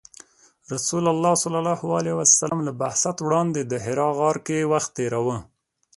رسول الله ﷺ له بعثت وړاندې د حرا غار کې وخت تیراوه .